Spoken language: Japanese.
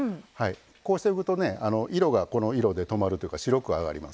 こうしておくとね色がこの色で止まるというか白くあがります。